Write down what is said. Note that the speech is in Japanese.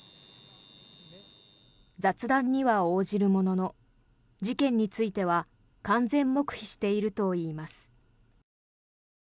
雑談には応じるものの事件については完全黙秘しているといいます。